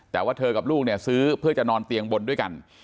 แต่ว่าเธอกับลูกเนี่ยซื้อเพื่อจะนอนเตียงบนด้วยกัน